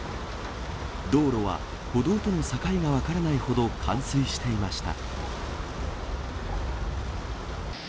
道路は歩道との境が分からないほど、冠水していました。